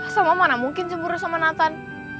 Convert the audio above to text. sama mana mungkin cemburu sama lantan